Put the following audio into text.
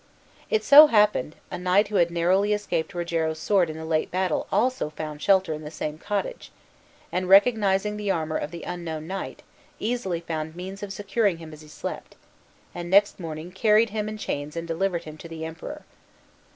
It so happened, a knight who had narrowly escaped Rogero's sword in the late battle also found shelter in the same cottage, and, recognizing the armor of the unknown knight, easily found means of securing him as he slept, and next morning carried him in chains and delivered him to the Emperor.